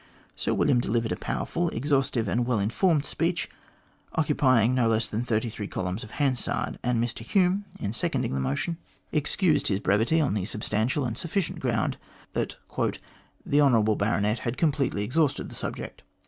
Sir William delivered a powerful, exhaustive, and well informed speech, occupying no less than thirty three columns of Hansard, and Mr Hume, in seconding the motion, MR GLADSTONE AND THE COLONIES 245 excused his brevity on the substantial and sufficient ground that "the Hon. Baronet had completely exhausted the subject."